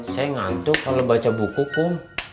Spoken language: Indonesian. saya ngantuk kalau baca buku kum